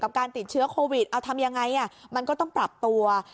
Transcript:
การติดเชื้อโควิดเอาทำยังไงมันก็ต้องปรับตัว